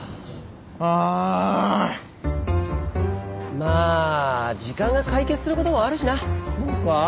まあ時間が解決することもあるしな。そうか？